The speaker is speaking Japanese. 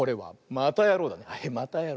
またやろう！